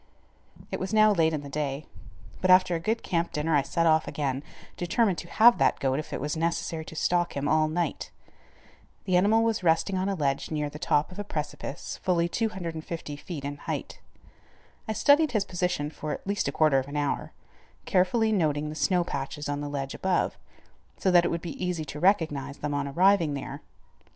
It was now late in the day, but after a good camp dinner I set off again, determined to have that goat if it was necessary to stalk him all night. The animal was resting on a ledge near the top of a precipice fully 250 feet in height. I studied his position for at least a quarter of an hour, carefully noting the snow patches on the ledge above, so that it would be easy to recognize them on arriving there.